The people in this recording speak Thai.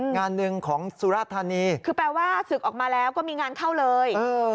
งานหนึ่งของสุรธานีคือแปลว่าศึกออกมาแล้วก็มีงานเข้าเลย